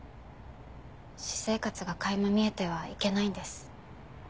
私生活が垣間見えてはいけないんです。